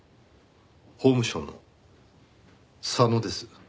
「法務省の佐野」です。